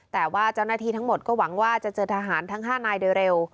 แต่ว่าเจ้าหน้าที่ทั้งหมดก็หวังว่าจะเจอทหารทั้ง๕นายโดยเร็ว